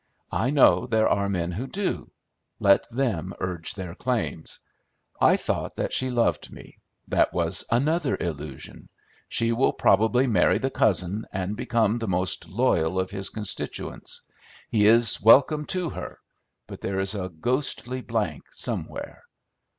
I know there are men who do: let them urge their claims. I thought that she loved me; that was another illusion. She will probably marry the cousin, and become the most loyal of his constituents. He is welcome to her; but there's a ghostly blank somewhere.